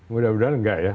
mudah mudahan enggak ya